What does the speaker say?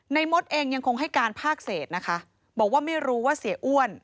มดเองยังคงให้การภาคเศษนะคะบอกว่าไม่รู้ว่าเสียอ้วน